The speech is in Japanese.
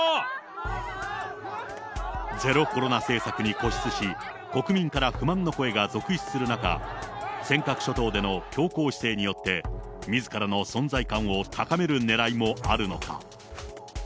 ゼロコロナ政策に固執し、国民から不満の声が続出する中、尖閣諸島での強硬姿勢によって、みずからの存在感を高めるねらいもあるのか。